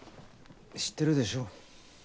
知ってるでしょ？